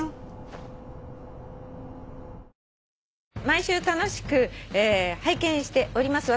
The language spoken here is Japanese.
「毎週楽しく拝見しております。